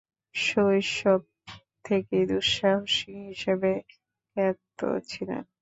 শৈশব থেকেই দুঃসাহসী হিসেবে খ্যাত ছিলেন।